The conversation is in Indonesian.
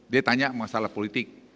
dia tanya masalah politik